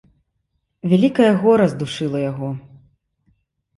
Вялікае гора здушыла яго.